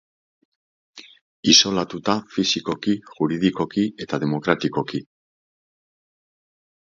Isolatuta, fisikoki, juridikoki eta demokratikoki.